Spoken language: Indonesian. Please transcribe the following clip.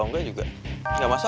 kau selamat ya